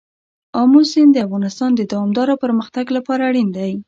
آمو سیند د افغانستان د دوامداره پرمختګ لپاره اړین دی.